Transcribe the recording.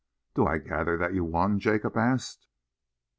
"Do I gather that you won?" Jacob asked.